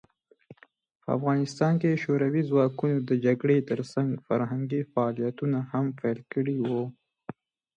په افغانستان کې شوروي ځواکونه د جګړې ترڅنګ فرهنګي فعالیتونه هم پیل کړي وو.